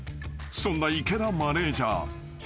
［そんな池田マネジャー］